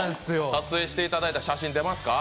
撮影していただいた写真、出ますか？